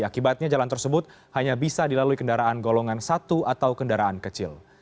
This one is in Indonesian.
akibatnya jalan tersebut hanya bisa dilalui kendaraan golongan satu atau kendaraan kecil